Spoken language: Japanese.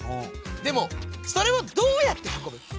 でもそれをどうやってはこぶ？